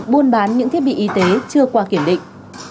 buôn bán những thiết bị y tế chưa qua kiểm định